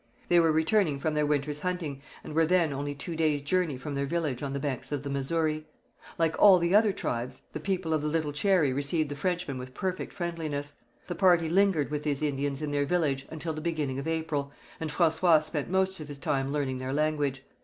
They were returning from their winter's hunting, and were then only two days' journey from their village on the banks of the Missouri. Like all the other tribes, the People of the Little Cherry received the Frenchmen with perfect friendliness. The party lingered with these Indians in their village until the beginning of April, and François spent most of his time learning their language.